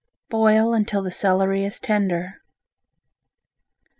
Boil until the celery is tender.